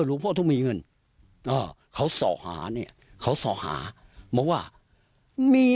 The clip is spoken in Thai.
หลวงพ่อต้องมีเงินอ่าเขาส่อหาเนี่ยเขาส่อหามาว่ามี